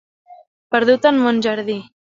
Perdut en mon jardí.